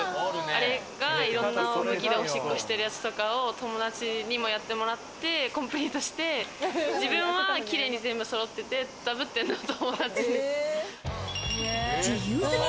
あれがいろんな向きでおしっこしてるやつとかを、友達にもやってもらって、コンプリートして、自分はキレイに全部そろってて、ダブってるのは友達に。